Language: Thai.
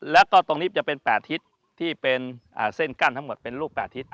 แล้วก็ตรงนี้จะเป็น๘ทิศที่เป็นเส้นกั้นทั้งหมดเป็นลูก๘ทิศ